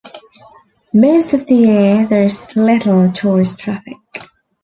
Most of the year there is little tourist traffic.